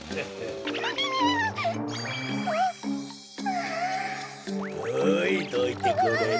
はいどいてくれる？